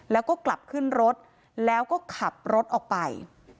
แล้วก็กลับขึ้นรถแล้วก็ขับรถออกไป